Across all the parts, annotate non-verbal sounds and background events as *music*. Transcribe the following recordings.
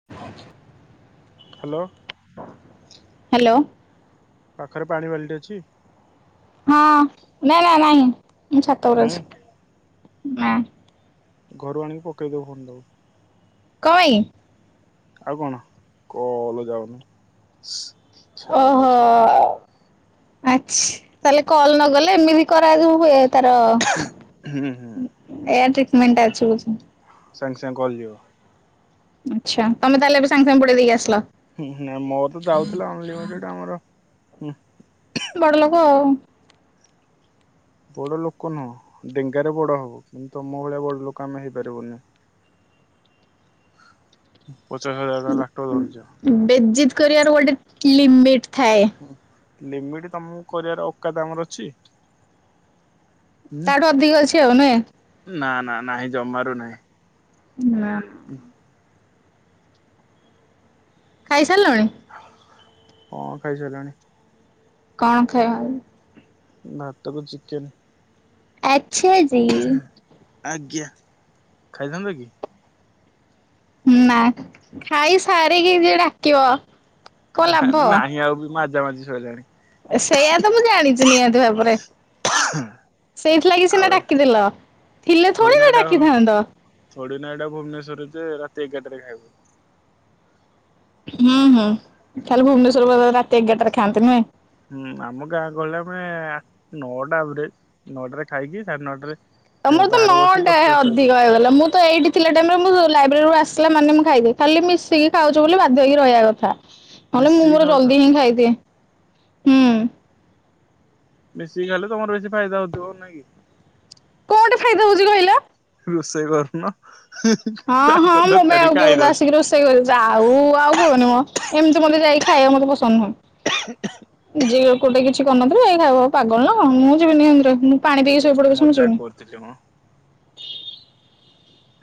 *unintelligible* Hello hello ପାଖରେ ପାଣି ବାଲଟି ଅଛି। ହଁ, ନାଁ ନାଁ ନାଇଁ ମୁଁ ଛାତ ଉପରେ ନାଇଁ ଅଛି ନା ଘରୁ ଆଣି ପକେଇଦବୁ ଫୋନ ଦବୁ କଣ ପାଇଁ? ଆଉ କଣ କଲ ଯାଉନି ଛାଡ ଛାଡ। ଆଛି ତାହେଲେ କଲ ନ ଗଲେ ଏମିତି। କରାଯିବୁ ହୁଏ ତାର ହୁଁ ହୁଁ ଏୟାର ଟ୍ରିଟମେଣ୍ଟ ଅଛି ବୋଧେ। ସାଙ୍ଗେ ସାଙ୍ଗେ କଲ ଯିବ। ଆଚ୍ଛା ତମେ ତାହେଲେ ଏବେ ସାଙ୍ଗେ ସାଙ୍ଗେ ବୁଡେଇ ଦେଇ କି ଆସିଲ। ହୁଁ ହୁଁ ନାଁ ମୋର ତ ଯାଉଥିଲା ଅନଲିମିଟେଡ ଆମର ହୁଁ। ବଡ଼ ଲୋକ ଆଉ। ବଡ ଲୋକ ନୁହଁ ଡେଙ୍ଗାରେ ବଡ ହବ କିନ୍ତୁ ତମ ଭଳିଆ ବଡ଼ ଲୋକ ଆମେ ହେଇପାରିବୁନି। ପଚାଶ ହଜାର ତ ଲାପଟପ ଧରୁଛ। ବେଯିତି କରିବାର ଗୋଟେ ଲିମିଟି ଥାଏ। ହୁଁ ଲିମିଟି ତମକୁ କରିବାର ୱକାତ ଆମର ଅଛି। ଉଁ ତାଠୁ ଅଧିକ ଅଛି ଆଉ ନୁହେଁ ନା ନା ନାହିଁ ଜମାରୁ ନାହିଁ। ନାଁ। ଉଁ ହୁଁ। ଖାଇ ସାରିଲଣି। ହଁ ଖାଇ ସାଇଲିଣି। କଣ ଖାଇବା ଆ ଭାତକୁ ଚିକେନ। ଆଛାଜୀ। ଆଜ୍ଞା ଖାଇଥାନ୍ତ କି। ନା ଖାଇ ସାରିକି ଯିଏ ଡାକିବ। କଣ ନା ବେ ଲାଭ ନାହିଁ ଆଉ ବି ମାଜାମାଜି ସଇଲାଣି। ସେଇଆ ତ ମୁଁ ଜାଣିଛି ନିହାତି ଭାବରେ। ସେଇଥିଲାଗି ଆଉ ସିନା ଡାକିଦେଲ ଥିଲେ ଥୋଡ଼ି ନା ଡାକିଥାନ୍ତ। ଥୋଡ଼ିନା ଏଟା ଭୁବନେଶ୍ୱର ଯେ ରାତି ଏଗାରଟାରେ ଖାଇବ। ହୁଁ ହୁଁ ଖାଲି ଭୁବନେଶ୍ଵର ଵାଲା ରାତି ଏଗାରଟାରେ ଖାଆନ୍ତି ନୁହେଁ। ହୁଁ ଆମ ଗାଁ ଗହଳି ରେ ଆମେ ନଅଟା ଆଭରେଜ ନଅଟାରେ ଖାଇକି ସାଢେ ନଅଟାରେ। ତମର ତ ବାହାରେ ବସୁ ନଅଟା ଦଶଟାରେ ଶୋଇପଡୁ ଅଧିକ ହେଇଗଲା ମୁଁ ତ ଏଇଠି। ଥିଲା ଟାଇମ ରେ ମୁଁ ଲାଇବ୍ରେରୀରୁ ଆସିଲା ମାନେ ମୁଁ ଖାଇଦିଏ ଖାଲି ମିଶିକି ଖାଉଛୁ ବୋଲି ବାଧ୍ୟ ହେଇକି ରହିବା କଥା। ନହେଲେ ମୁଁ ମିଶିକି ମୋର ଖାଉଛୁ ଆଉ। ଜଲଦି ହିଁ ଖାଇଦିଏ ହୁଁ। ମିଶିକି ଖାଇଲେ ତମର ବେଶୀ ଫାଇଦା ହଉଥିବ ନାଇଁ କି। କୋଉଠି ଫାଇଦା ହଉଛି କହିଲ। ରୋଷେଇ କରୁନ ହୁଁ। ହଁ ହଁ ମୋ ପାଇଁ ଆଉ କିଏ ଗୋଟେ ଆସିକି ରୋଷେଇ। ସେଇ ଯାଉ ଆଉ କୁହନି ମଁ ଏମିତି ମତେ ଯାଇ ଖାଇବାକୁ ମତେ ପସନ୍ଦ ନୁହଁ। *unintelligible* ନିଜେ କୋଟା କିଛି କରିନଥିବ ଯାଇ ଖାଇବ ପାଗଳ ନା କଣ ମୁଁ ଯିବିନି ସେନୀତିରେ। ଜଷ୍ଟ ମଜାକ କରୁଥିଲି ମଁ।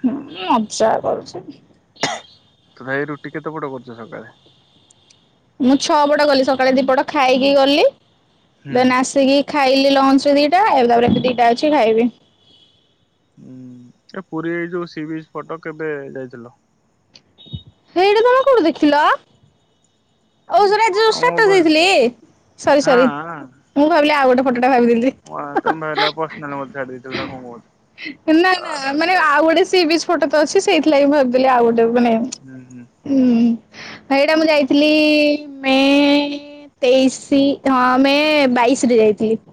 ହୁଁ ମଜ୍ଜା କରୁଛି। ତଥାପି ରୁଟି କେତେ ପଟ କରୁଛ ସକାଳେ। ମୁଁ ଛଅ ପଟ କଲି ସକାଳେ ଦିପଟ ଖାଇକି ଗଲି ହୁଁ। ଦେନ ଆସିକି ଖାଇଲି ଲଞ୍ଚ ରେ ଦିଟା ଏବେ ତାପରେ ଏ ଦିଟା ଅଛି ଖାଇବି। ହୁଁ ଏ ପୁରୀ ଏ ଯୋଉ ସିିବିଜି ଫଟ କେବେ ଯାଇଥିଲ। ହେଇଠି ତମେ କୋଉଠୁ ଦେଖିଲ। ଆଉ ସ ଆଜି ଯୋଉଁ ତମ ଟାଟାସ ମୋବାଇଲ ଦେଇଥିଲି ସରି ସରି ହଁ। ମୁଁ ଭାବିଲି ଆଉ ଗୋଟେ ଫଟଟା ଭାବିଦେଲି। *inaudible* ଛାଡ ନା ନା ଛାଡ। *unintelligible* ସି ବିଚ୍ ଫୋଟ ତ ଅଛି ସେଇଥିଲାଗି ଭାବିଦେଲି ଆଉ ଗୋଟେକୁ *unintelligible* ହୁଁ ହୁଁ। ଉୁଁ ହେଇଟା ମୁଁ ଯାଇଥିଲି ମେ- ଏ - ତେଇଶି ହଁ ମେଂ ବାଇଶରେ ଯାଇଥିଲି।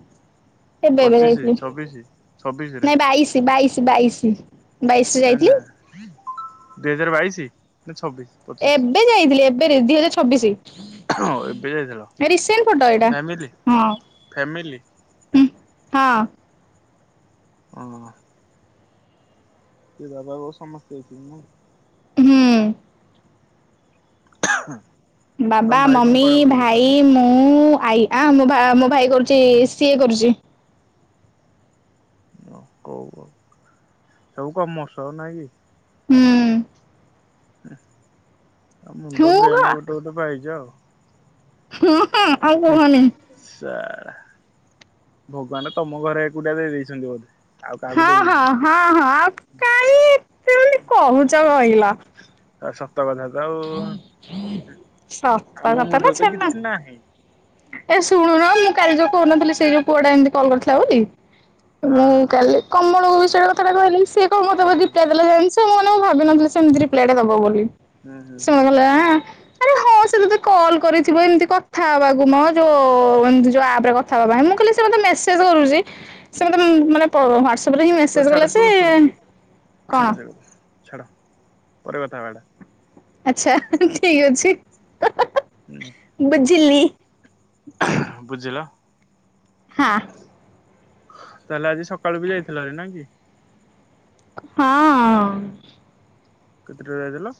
ଏବେ ଏବେ ପଚିଶି ଯାଇଥିଲି ଛବିଶି ଛବିଶିରେ ନାଇଁ ବାଇଶ ବାଇଶ ବାଇଶ। ନା ନା ଦୁଇ ହଜାର ବାଇଶି ନା ଛବିଶ? ପଚିଶି ଏବେ ଯାଇଥିଲି ଏବେରେ ଦି ହଜାର ଛବିଶି ଏବେ ଯାଇଥିଲ ରିସେଣ୍ଟ ଫଟୋ ଏଇଟା ଫ୍ୟାମିଲି ହଁ। ଫ୍ୟାମିଲି ହୁଁ ହଁ। ଅ ଆଁ ସେ ବାବା ବାଉ ସମସ୍ତେ ଯାଇଚନ୍ତି ନାଇଁ ନା ହୁଁ *inaudible* ତମ ବାବା ଭାଇ କଣ ମମି ପଢାପଢି ଭାଇ କରୁଛନ୍ତି? ମୁଁ ମୁଁ ଆଇ ଆ ମୋ ମୋ ଭାଇ କରୁଚି ସିଏ କରୁଚି। ଓ କଉ ଆଉ ସବୁ କମର୍ସ ନାଇଁ କି। ଉଁ ଆଉ ହୁଁ ମୁଣ୍ଡ ହଁ ବ୍ରେନ ଗୋଟେ ଗୋଟେ ପାଇଚ ଆଉ। ହୁଁ ହଁ ଆଉ କୁହନି। *inaudible* ଭଗବାନ ତମ ଘରେ ଏକୁଟିଆ ଦେଇ ଦେଇଛନ୍ତି ବୋଧେ। ଆଉ କାହାକୁ ହଁ ହଁ ଦେଇନାହାନ୍ତି। ହଁ ହଁ ଆଉ କାଇଁ ଏତେ ବୋଲି କହୁଚ କହିଲ। ଆ ସତ କଥା ତ ଆଉ ସତ ଆମ କଥା ନା ମୁଣ୍ଡରେ ତ ଛେନା। କିଛି ନାହିଁ। ଏ ଶୁଣୁନ ମୁଁ କାଲି ଯୋଉ କହୁ ନଥିଲି ସେଇ ଯୋଉ ପୁଅଟା ଏମତି କଲ କରିଥିଲା ବୋଲି - ହଁ ମୁଁ ହଁ କାଲି କମଳକୁ ବିଷୟ କଥାଟା କହିଲି ସିଏ କ ମୁଁ ତବ ହୁଁ ହୁଁ ରେପ୍ଲାୟେ ଦେଲା ଜଣିିଚ ମୁଁ ମାନେ ମୁଁ ହୁଁ ଭାବିନଥିଲି ସେ ଏମତିି ରିପ୍ଲାଏ ଟା ଦବ ବୋଲି। ହୁଁ ହୁଁ ଶୁଣ ହୁଁ କଲା ଆଁ ଆରେ ହଁ ସେ ତତେ କଲ କରିଥିବ ଏମିତି କଥା ହବାକୁ ମ ଯୋଉ ଏମତି ଯୋଉ ଆପରେ କଥା ହବା ପାଇଁ, ମୁଁ କହିଲି ସେ ମତେ ମେସେଜ କରୁଚି - ସେ ମତେ ମାନେ ପ ହ୍ଵାଟସପରେ ହିଁ ହଉ ମେସେଜ ଛାଡ କଲା ଯେ, ଶୁଣୁ ଶୁଣୁ ଶୁଣୁ ଛାଡ କଣ - ସେକଥା ଛାଡ ପରେ କଥା ହେବା ଏଟା। ଆଛା ଠିକ ଅଛି ହୁଁ। ବୁଝିଲି। ବୁଝିଲ। ହଁ। ତାହେଲେ ଆଜି ସକାଳୁ ବି ଯାଇଥିଲ ଆରି ନା କି - ହଁ ଆଁ କେତେଟାରେ ଯାଇଥିଲ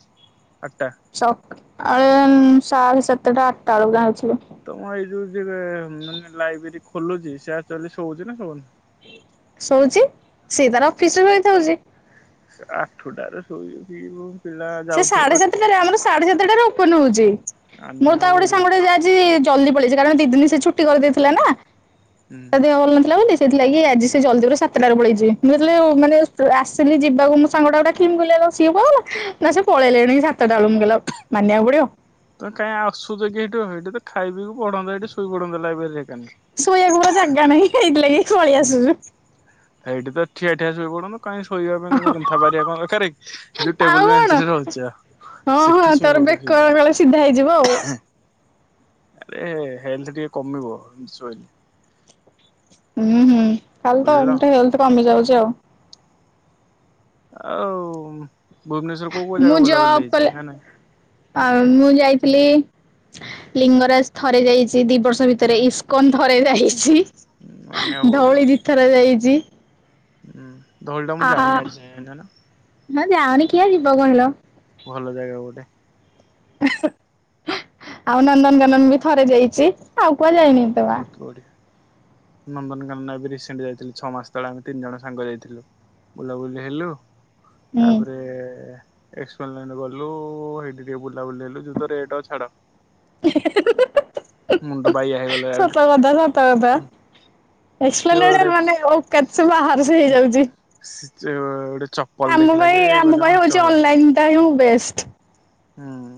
ଆଟ୍ଟା। ସକାଳେ ସାଢେ ସାତଟା ଆଟଟା ବେଳକୁ ଆଇଥିଲି। ତମ ଏଇ ଯୋଉ ଯେ ମାନେ ଲାଇବେରୀ ଖୋଲୁଚି ସେ ଏକ୍ଚ୍ୟଆଲି ଶୋଉଚି ନା ଶୋଉନି? ସୋଉଚି ସିଏ ତାର ଅଫିସରେ ରୋଇ ଥାଉଚି ସେ ଆଠୁଟାରେ ଶୋଇ ଉଠିକି କୋଉ ପିଲା ସେ ଯାଉଥିଵେ ସାଢେ ପାଠ ପଢି - ସାତଟାରେ ଆମର ସାଢେ ସାତଟାରେ ଓପୋନ ହୋଉଚି ଆମେ ମୋର ତ ଆଉ ଗୋଟେ ପଢିବୁ ସାଙ୍ଗଟେ ଆଜି ଜଲଦି ପଳେଇଛି କାରଣ ଦି ଦିନ ସେ ଛୁଟି କରିଦେଇଥିଲା ନା ହୁଁ ତା ଦେହ ଭଲ ନଥିଲା ବୋଲି। ସେଥିଲାଗି ଆଜି ସେ ଜଲଦି ପୁରା ସାତଟାରୁ ପଳେଇଛି ମୁଁ ଯେତେଵେଳେ ମାନେ ଆସିଲି ଯିବାକୁ ମୁଁ ସାଙ୍ଗଟାକୁ ଡାକି ମୁଁ କହିଲି ଆଲୋ ସିଏ କୁଆଡେ ଗଲା ନା ସେ ପଳେଇଲେଣି ସାତଟା ବେଳକୁ ମୁଁ କହିଲି ମାନିବାକୁ ପଡିବ। ତ କାଇଁ ଆସୁଛ କି ଏଠୁ ଏଠୁ ତ ଖାଇ ପି ପଢନ୍ତା ଏଠି ଶୋଇପଢ଼ନ୍ତ ଲାଇବ୍ରେରୀରେ ହେକାନେ। ଶୋଇବାକୁପରା ଜାଗା ନାହିଁ ହେଇଥିଲାଗି ପଳେଇଆସୁଛୁ। ହେଇଠି ତ ଠିଆ ଠିଆ ଶୋଇପଡନ୍ତ। କାଇ ଶୋଇବା ପାଇଁ କଣ କନ୍ଥା ପାରିବା କଣ ଦରକାର ଯୋଉ ଆଉ ଟେବୁଲ କଣ ବେଞ୍ଚରେ ରହୁଛି। ହଁ ହଁ ତୋର ବେକ ଏକାବେଳେ ସିଧା ହେଇଯିବ ଆଉ। ଆରେ ହେଲ୍ଥ ଟିକେ କମିବ ଏମିତି ଶୋଇଲେ। ହୁଁ ହୁଁ ଖାଲି ତ ବୁଝିଲ ଏମତି ହେଲଥେ କମି ଯାଉଚି ଆଉ। ଆଉ ଭୁବନେଶ୍ଵର କୋଉ କୋଉ ଜାଗା ମୁଁ ଜବ୍ ବୁଲାବୁଲି ହେଇଛି କଲେ ନା ନାଇଁ? ଆଉ ମୁଁ ଯାଇଥିଲି ଲିଙ୍ଗରାଜ ଥରେ ଯାଇଛି ଦି ବର୍ଷ ଭିତରେ, ଇସ୍କନ ଥରେ ଯାଇଛି। ମାନିବାକୁ ପଡିବ। ଧଉଳି ଦି ଥର ଯାଇଛି। ହୁଁ ଧଉଳି ତ ମୁଁ ଆ ଯାଇନି ଆଜି ଯାଏଁ ଜାଣିଛ ନା? ହଁ ଯାଅନି କିଆଁ ଯିବ କହିଲ। ଭଲ ଜାଗା ଗୋଟେ ଆଉ ନନ୍ଦନକାନନ ବି ଥରେ ଯାଇଛି। ଆଉ କୁଆଡେ ଯାଇନି ଏତେ ବା ବହୁତ୍ ବଢିଆ। ନନ୍ଦନକାନନ ଏବେ ରିସେଣ୍ଟ ଯାଇଥିଲି ଛଅ ମାସ ତଳେ ଆମେ ତିନି ଜଣ ସାଙ୍ଗ ଯାଇଥିଲୁ। ବୁଲାବୁଲି ହେଲୁ ହୁଁ। ତାପରେ ଏକ୍ସପ୍ଲାନେଟ ଗଲୁ ହେଇଟି ଟିକେ ବୁଲାବୁଲି ହେଲୁ ଯୋଉ ତ ରେଟ ଅ ଛାଡ। *inaudible* ମୁଣ୍ଡ ବାଇଆ ହେଇଗଲେ ସତ ଡାଇରେକ୍ଟ। କଥା ସତ କଥା ସେ ଏକ୍ସପ୍ଲାନେଟ ଗୋଟେ ମାନେ ଓଉକାତ୍ ସେ ବାହାର ସେ ହେଇଯାଉଛି। ସେ ଗୋଟେ ଚପଲ ଦେଖିଲା ଯେ କହିଲା ପାଞ୍ଚ ହଜାର। ଅନଲାଇନ୍ ଟା ହିଁ ବେଷ୍ଟ। ହୁଁ,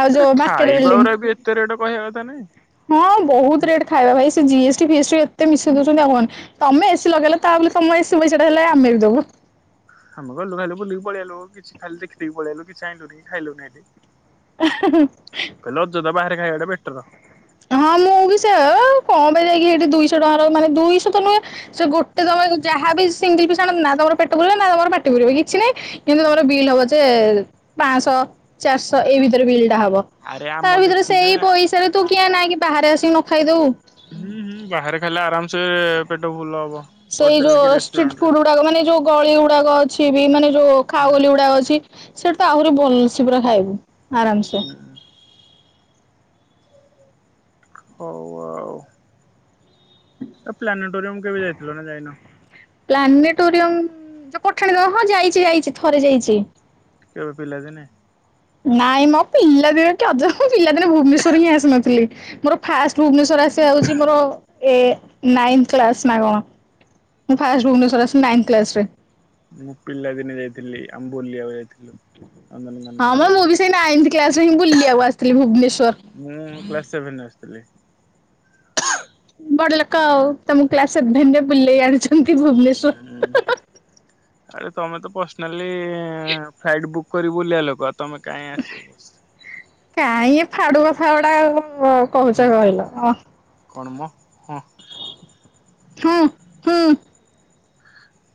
ଆଉ ଆରେ ଯୋଉ ମାର୍କେଟ ଖାଇବା ବିଲ୍ଡିଂ ଗୁରା ବି ଏତେ ରେଟ କହିବା କଥା ନାଇଁ। ହଁ ବୋହୁତ ରେଟ୍ ଖାଇବା ଭାଇ ସେ ଜିଏସ୍ ଟି ଫିଏସ୍ ଟି ଏତେ ମିଶେଇ ଦୋଉଛନ୍ତି ଆଉ କହେ ତମେ ଏସି ଲଗେଇ ତା ବୋଲି ତମ ଏସି ପଇସାଟା ହେଲେ ଆମେ ବି ଦେବୁ। ଆମେ ଗଲୁ ଖାଇଲୁ ବୁଲିକି ପଳଆଲୁ କିଛି ଖାଲି ଦେଖିଦେଇକି ପଳେଇଆଲୁ କିଛି ଆଣିଲୁନି କି ଖାଇଲୁନି ହେଟି। *unintelligible* ଖାଲି ଅଯଥା ବାହାରେ ଖାଇବାଟା ବେଟର। ହଁ ମୁଁ ବି ସେୟା କଣ ପାଇଁ ଯାଇକି ହେଇଠି ଦୁଇଶହ ଟଙ୍କାର ମାନେ ଦୁଇଶହ ତ ନୁହେଁ ସେ ଗୋଟେ ଦବାକୁ ଯାହା ବି ସିଙ୍ଗଲ ପି ଆଣ ନା ତମର ପେଟ ପୁରିବ ନା ତମର ମାଟି ପୁରିବ କିଛି ନାଇଁ। କିନ୍ତୁ ତମର ବିଲ୍ ହବ ଯେ ପାଆଁସ ଚାରିଶହ ଏଇ ଭିତରେ ବିଲ୍ ଟା ହବ। ଆରେ ଆମ ତା ଭିତରେ ଦେଖୁ ଯେ ସେଇ ପଇସାାରେ ତୁ କିଆଁ ନାଇଁ କି ବାହାରେ ଆସିକି ନ ଖାଇଦବୁ। ହୁଁ ହୁଁ ବାହାରେ ଖାଇଲେ ଆରାମସେ ପେଟ ଫୁଲ ହବ। ସେଇ ହୋଟେଲ କି ଯୋଉ ଷ୍ଟ୍ରିଟ୍ ରେଷ୍ଟୁରାଣ୍ଟରେ। ଫୁଡ ଗୁଡାକ ମାନେ ଯୋଉ ଗଳି ଗୁଡାକ ଅଛି ବି ମାନେ ଯୋଉ ହୁଁ ଖାଓଗଲି ଗୁଡାକ ଅଛି। ସେଠି ତ ଆହୁରି ଭଲସେ ପୁରା ଖାଇବୁ ଆରାମସେ। ହଉ ଆଉ। ତ ପ୍ଲାନେଟୋରିୟମ କେବେ ଯାଇଥିଲ ନା ଯାଇନ? ପ୍ଲାନେଟୋରିୟମ ତ ପଠାଣି ହଁ ଯାଇଛି ଯାଇଛି ଥରେ ଯାଇଛି। କେବେ ପିଲା ଦିନେ? ନାଇଁ ମ ପିଲାଦିନେ କି ଅଜବ ମୁଁ ପିଲାଦିନେ ଭୁବନେଶ୍ୱର ହିଁ ଆସିନଥିଲି ମୋର ଫାଷ୍ଟ ଭୁବନେଶ୍ୱର ଆସିବା ହେଉଛି ମୋର ଏ ନାଇନ୍ କ୍ଲାସ୍ ନା କଣ। ମୁଁ ଫାଷ୍ଟେ ଭୁବନେଶ୍ୱର ଆସିଲି ନାଇନ କ୍ଲାସରେ। ମୁଁ ପିଲାଦିନେ ଯାଇଥିଲି ଆମେ ବୁଲିବାକୁ ଯାଇଥିଲୁ। ନନ୍ଦନକାନନ ହଁ ଆକା ମ ସବୁ ମୁଁ ବି ସେଇ ନାଇନ୍ଥ କ୍ଲାସରେ ହିଁ ବୁଲିବାକୁ ଆସିଥିଲି ଭୁବନେଶ୍ଵର। ମୁଁ କ୍ଲାସ୍ ସେଭେନରେ ଆସିଥିଲି। ବଡ ଲୋକ ଆଉ ତମକୁ କ୍ଲାସ୍ ସେଭେନ୍ ରେବୁଲେଇ ଆଣିଛ୍ ହୁଁ ହୁଁ ଆରେ ତମେ ତ ପର୍ସନାଲି ଫ୍ଲାଇଟ୍ ବୁକ୍ କରି ବୁଲିଆ ଲୋକ ଆ ତମେ କାଇଁ ଆସିବ ବସ୍ ରେ। କାହିଁ ଏ ଫାଡୁ ଆ ଫାଉଡା କ ହୁଁ କହୁଛ କହିଲ ଅହ। କଣ ମ ହଁ। ହୁଁ। ହୁଁ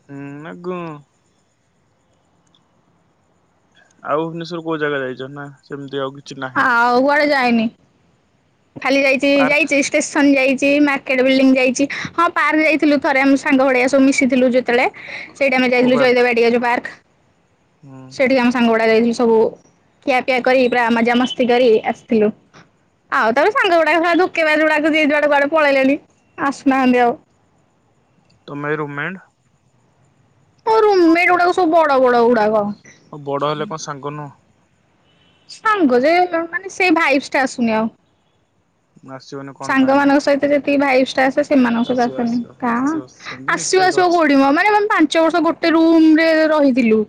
ହୁଁ ନା ଗୁଁ। ଆଉ ଭୁବନେଶ୍ୱର କୋଉ ଜାଗା ଯାଇଚ ନା ସେମିତି ଆଉ କିଛି ନାହିଁ ଆଉ କୁଆଡେ ଯାଇନି ଖାଲି ଯାଇଚି ପାର୍କ ଯାଇଚି ଷ୍ଟେସନ୍ ଯାଇଚି ମାର୍କେଟ ବିଲ୍ଡିଙ୍ଗ୍ ଯାଇଚି ହଁ ପାର୍କ ଯାଇଥିଲୁ ଥରେ ଆମେ ସାଙ୍ଗ ଭଳିଆ ସବୁ ମିଶିଥିଲୁ ଯେତେବେଳେ। ସେଠି ଆମେ କୋଉ ଯାଇଥିଲୁ ପାର୍କ? ଜୟଦେବାଟିଆ ଯୋଉ ପାର୍କ ହୁଁ ସେଠି ଆମ୍ ସାଙ୍ଗ ଗୁଡା ଯାଇଥିଲୁ ସବୁ ଖିଆପିଆ କରି ପୁରା ମଜାମସ୍ତି କରି ଆସିଥିଲୁ। ଆଉ ତା ପରେ ବି ସାଙ୍ଗ ଗୁଡାକା ଶଳା ଧୋକେବାଜ୍ ଗୁଡା ଯେ ଯୁଆଡେ କୁଆଡେ ପଇଲେଣି ଆସୁହାନ୍ତି ଆଉ। ତମେ ରୁମ୍ ମେଣ୍ଡ୍? ମୋ ରୁମ୍ ମେଣ୍ଟ ଗୁଡାକ ସବୁ ବଡ ବଡ଼ ଗୁଡାକ। ଆଉ ବଡ ହେଲେ କଣ ସାଙ୍ଗ ନୁହଁ। ସାଙ୍ଗ ଯେ ମାନେ ସେ ଭାଇଭ୍ ଟା ଆସୁନି ଆଉ। ଆସିବନି କଣ ପାଇଁ ମ? ସାଙ୍ଗମାନଙ୍କ ସହିତ ଯେତ ଭାଇପ୍ ଟା ଆସେ ସେମାନଙ୍କୁ ସହିତ ଆସିବ ଆସେନି ଆସିବ କାଁ ଆସିବ ସେମିତି ଆସିବ ମିଶିବାର ଆସିବ ଅଛି। କୋଠିମ ମାନେମ ପାଞ୍ଚ ବର୍ଷ ଗୋଟ୍ ଗୋଟେ ରୁମ୍ ରେ ରହିଥିଲୁ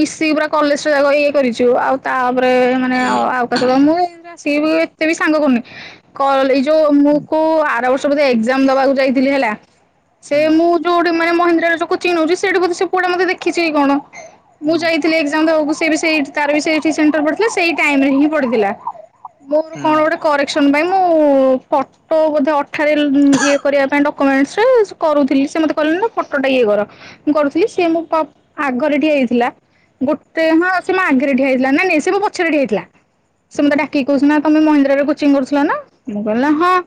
ମିଶିକି ପୁରା କଲେଜ ଯାକ ଇଏ କରିଚୁ ଆଉ ତାପରେ ମାନେ ଆଉ କାସହିତ ମୁଁ ଏ ଏନ୍ତି ଆସି ବି ଏତେ ବି ସାଙ୍ଗ କରୁନି କଲ ଏଜଉ ଯୋଉଁ ମୁଁ କୁ ଆର ବର୍ଷ ବୋଧେ ଏଜାମ୍ ଦବାକୁ ଯାଇଥିଲି ହେଲା ସେ ହୁଁ ମୁଁ ଯୋଉଠି ମାନେ ମହିନ୍ଦ୍ରାରେ ଯୋଉ କୋଚିଙ୍ଗ୍ ନଉଚି ସେଇଠି ବୋଧେ ସେ ପୁଆଟା ମତେ ଦେଖଚି କଣ ମୁଁ ହୁଁ ଯାଇଥିଲ ଲି ଏକ୍ସାମ୍ ଦବାକୁ ସେ ବି ସେଠି ତାର ବି ସେଠି ସେଣ୍ଟର୍ ପଡିଥିଲା ସେଇ ଟାଇମ୍ ହିଁ ପଡିଥିଲା। ମୋର ହୁଁ କଣ ଗୋଟେ କରେକ୍ସନ୍ ପାଇଁ ମୁଁ ଫଟୋ ବୋଧେ ଅଟ୍ ଠାରେ ଲ ଅଁ ଇଏ କରିବା ପାଇଁ ଡକ୍ୟୁମେଣ୍ଟସ୍ ରେ କରୁଥିଲି ସେ ମତେ କହିଲି ନା ଫଟୋଟା ଇଏ କର। ମୁଁ କରୁଥିଲି ସିଏ ମୋ ପା ଆଗରେ ଠିଆ ହେଇଥିଲା। ଗୋଟେ ହଁ ସେ ମୋ ଆଗରେ ଠିଆ ହେଇଥିଲା ନାଇ ନାଇଁ ସେ ମୋ ପଛରେ ଠିଆ ହେଇଥିଲା। ସେ ହୁଁ ମତେ ଡାକିକି କଉଛନ୍ତି ନା ତମେ ମହିନ୍ଦ୍ରା ରେ କୋଚିଙ୍ଗ୍ କରୁଥିଲ ନା। ମୁଁ କହିଲି ହଁ ହୁଁ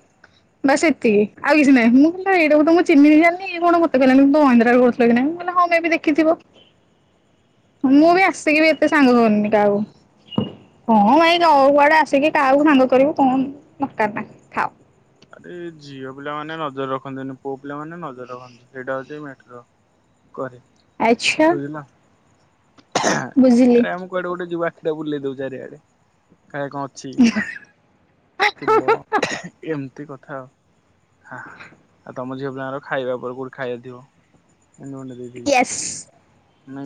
ବାସ୍ ଏତିକି ଆଉ କିଛି ନାହିଁ ମୁଁ କହିଲି ଏଇଟାକୁ ତମ୍ ଚିହିଁନି କି ଜାଣିନି ଏ କଣ ମତେ କହିଲାଣି ମହିନ୍ଦ୍ରାରେ କରୁଥିଲ କି ନାହିଁ ମୁଁ କହିଲି ହଁ ମେ ବି ଦେଖିଥିବ। ମୁଁ ଓ ବି ଆସିକି ବି ଏତ୍ ଟେ ସାଙ୍ଗ କରୁନି କାହାକୁ କଣ ପାଇଁ ଆଉ କୁଆଡେ ଆସିକି କାହାକୁ ସାଙ୍ଗ କରିବୁ କଣ କାବା ଆରେ ଏ ଝିଅ ପିଲାମାନେ ନଜର ରଖନ୍ତିନି ପୁଅ ପିଲା ମାନେ ନଜର ରଖନ୍ତି। ସେଇଟା ହଉଚି ମେଟ୍ରୋ। କରେ ଆଚ୍ଛା ବୁଝିଲ ବୁଝିଲି ଆରେ ଆମକୁ କୁଆଡୁ ଗୋଟେ ଯିବ ଆଖି ଟା ବୁଲେଇ ଦଉ ଚାରିଆଡେ କାଳେ କଣ ଅଛି ଥିବ ଏମିତି କଥା ଆଉ। ହା ଆଉ ତମ ଝିଅ ପିଲାଙ୍କର ଖାଇବା ଉପରକୁ କୋଉଠି ଖାଇବା ଥିବ ଏନ୍ତି ଏନେଇ ୟସ୍ -ସ୍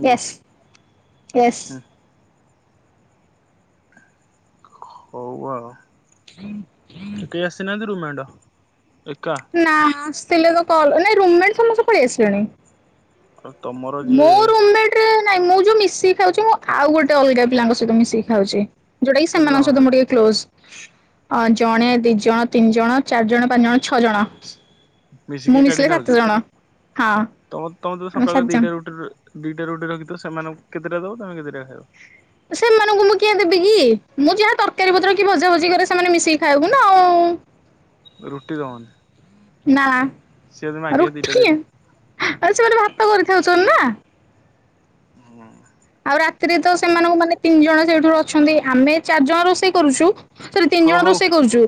ୟସ୍ -ସ୍ ୟସ୍ - ସ୍। *unintelligible* ହଉ ଆ କେହି ଆସିନାହାନ୍ତି ରୁମାଣ୍ଡ ଏକା? ନା ଆସିଥିଲେ ତ କଲ୍ ନାଇଁ ରୁମ୍ମେଟ୍ ସମସ୍ତେ କହି ଆସିଲେଣି। ଅ ତମର୍ ମୋଁ ରୁମ୍ ମେଟ୍ ରେ ନାଇଁ ମୁ ଯୋଉ ମିଶିକି ଖାଉଛି ମୁଁ ଆଉ ଗୋଟେ ଅଲଗା ପିଲାଙ୍କ ସହିତ ମିଶିକି ଖାଉଛି। ଜୋଉଡା କି କେତେ ଜଣ ସେମାନଙ୍କ ସହିତ ମୁ ଟିକେ କ୍ଲୋସ୍। ଅ ଜଣେ ଦି ଜଣ ତିନି ଜଣ ଚାରି ଜଣ ପାଞ୍ଚ ଜଣ ଛଅ ଜଣ। ମିଶିକି ମୁଁ ଏକାଠି ମିଶିଲେ ସାତ ଖାଉଛ ଜଣ। ହଁ ତମ ତମେ ତ ଆମେ ସାତ ସକାଳେ ଜଣ ଦିଟା ଦିଟା ରୁଟି ରଖି ତ ସେମାନଙ୍କୁ କେତେଟା ଦବ ତମେ କେତେଟା ଖାଇବ? ସେମାନଙ୍କୁ ମୁଁ କିଆ ଦେବି କି ମୁଁ ଯାହା ତରକାରୀ ପତ୍ର କି ଭଜା ଭଜି କରେ ସେମାନେ ମିଶିକି ଖାଇବୁ ନା ଆଉ। ରୁଟି ଦବନି? ନା ସିଏ ଯଦି ମାଗିବେ ଦିଟା ରୁଟି ଦେଲେ ଆଉ ସେମାନେ ଭାତ କରିଖାଉଛନ୍ତି ନା ହୁଁ ଆଉ ରାତିରେ ତ ସେମାନଙ୍କୁ ମାନେ ତିନି ଜଣ ସେଇଠୁ ଅଛନ୍ତି ଆମେ ଚାରି ଜଣ ରୋଷେଇ କରୁଛୁ ସେଠ ତିନି ହଉ ଜଣ ହଉ ରୋଷେଇ କରୁଛୁ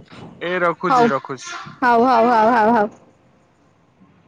ଏ ରଖୁଛି ହଉ ରଖୁଛି। ହଉ ହଉ ହଉ ହଉ ହଉ।